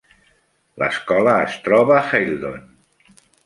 L'escola es troba a Haledon.